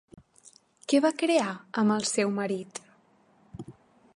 Què va crear, amb el seu marit?